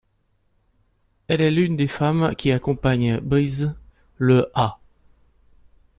Elle est l'une des femmes qui accompagne Breeze le à '.